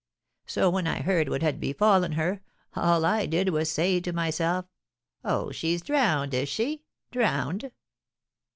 So when I heard what had befallen her, all I did was to say to myself, 'Oh, she's drowned, is she, drowned?